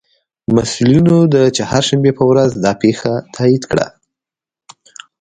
مسئولینو د چهارشنبې په ورځ دا پېښه تائید کړه